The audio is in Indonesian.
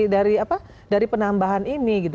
dari apa dari penambahan ini gitu